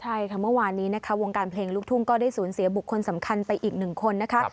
ใช่ค่ะเมื่อวานนี้นะคะวงการเพลงลูกทุ่งก็ได้สูญเสียบุคคลสำคัญไปอีกหนึ่งคนนะคะ